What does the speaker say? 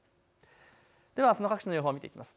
ではあすの各地の予報を見ていきます。